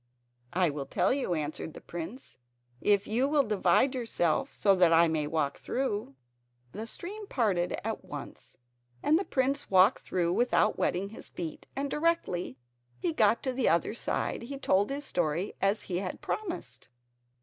"I will tell you," answered the prince, "if you will divide yourself so that I may walk through." The stream parted at once, and the prince walked through without wetting his feet; and directly he got to the other side he told his story as he had promised.